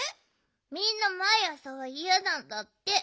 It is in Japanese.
みんなまいあさはいやなんだって。